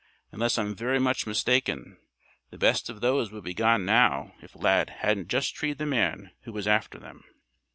Unless I'm very much mistaken, the best of those would be gone now if Lad hadn't just treed the man who was after them."